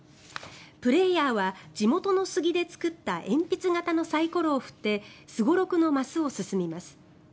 プレーヤーは地元のスギで作った鉛筆型のサイコロを振ってすごろくのマスを進みます。